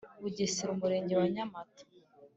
Bugesera Umurenge wa Nyamata